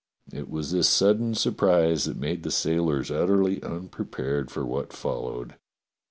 It was this sudden surprise that made the sailors utterly unprepared for what fol lowed.